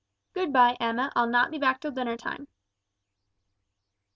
Good bye, Emma I'll not be back till dinner time."